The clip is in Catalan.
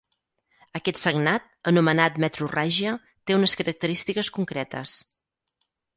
Aquest sagnat, anomenat metrorràgia, té unes característiques concretes.